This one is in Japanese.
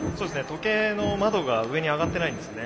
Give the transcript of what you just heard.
時計の窓が上に上がってないんですね。